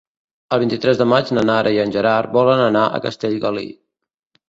El vint-i-tres de maig na Nara i en Gerard volen anar a Castellgalí.